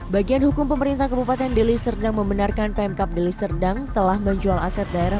bagian hukum pemerintah kebupaten deliserdang membenarkan pemkap deliserdang telah menjual aset daerah